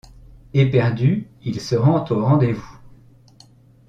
Éperdu, il se rend au rendez-vous.